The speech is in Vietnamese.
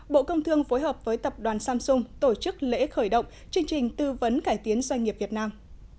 bộ công thương phối hợp với tập đoàn samsung tổ chức lễ khởi động chương trình tư vấn cải tiến doanh nghiệp việt nam